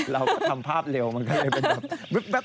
เราก็ทำภาพเร็วมันก็เลยเป็นแบบ